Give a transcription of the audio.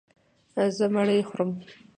زه مړۍ خورم.